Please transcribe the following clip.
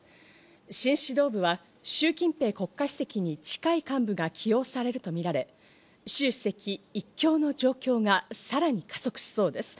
新指導部はシュウ・キンペイ国家主席に近い幹部が起用されるとみられ、シュウ主席一強の状況がさらに加速しそうです。